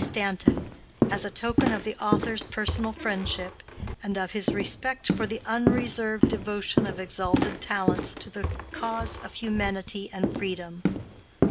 Stanton, as a token of the author's personal friendship, and of his respect for the unreserved devotion of exalted talents to the cause of humanity and freedom."